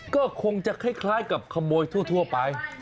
ก็คงจะคล้ายกับขโมยทั่วไป